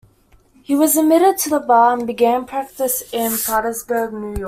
He was admitted to the bar and began practice in Plattsburg, New York.